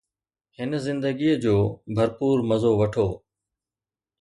هن زندگيءَ جو ڀرپور مزو وٺو